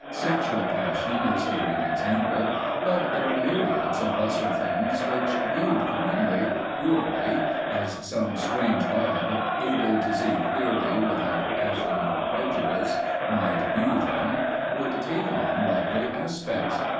Sexual passion is the great example, but there are myriads of lesser things which, viewed calmly, purely, as some strange god able to see clearly without passion or prejudice, might view them, would take on lovely aspects.